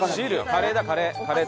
カレーだカレー。